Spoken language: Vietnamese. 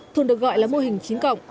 thường được gọi là mô hình chín